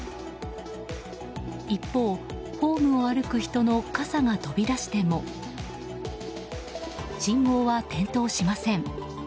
一方、ホームを歩く人の傘が飛び出しても信号は点灯しません。